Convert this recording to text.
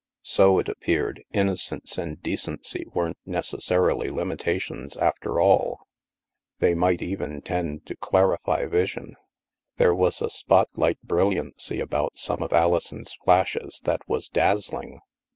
So, it appeared, innocence and decency weren't necessarily limitations, after all ! They might even tend to clarify vision! There was a spotlight bril liancy about some of Alison's flashes that was daz zling.